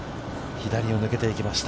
左を抜けていきました。